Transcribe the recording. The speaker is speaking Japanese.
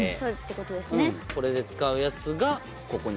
これで使うやつがここに。